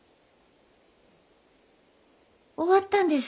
終わったんですか？